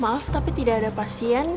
maaf tapi tidak ada pasien atas nama anak ibu